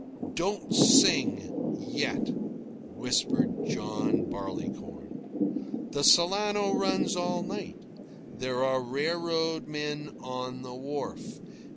"Don't sing yet," whispered John Barleycorn. "The Solano runs all night. There are railroad men on the wharf.